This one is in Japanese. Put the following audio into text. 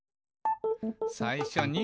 「さいしょに」